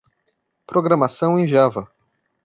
Programação em Java.